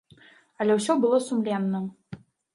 Але ўсё было сумленна.